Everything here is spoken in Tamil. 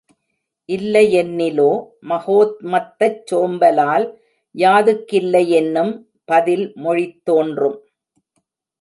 இல்லையென்னிலோ மகோத்மத்தச் சோம்பலால் யாதுக்கில்லையென்னும் பதில் மொழித்தோன்றும்.